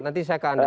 nanti saya ke anda